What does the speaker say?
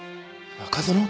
中園！？